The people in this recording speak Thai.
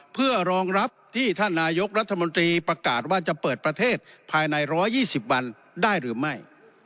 เพื่อรองรับที่ท่านนายกรัฐมนตรีประกาศว่าจะเปิดประเทศภายใน๑๒๐วันได้หรือไม่